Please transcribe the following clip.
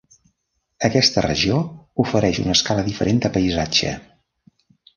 Aquesta regió ofereix una escala diferent de paisatge.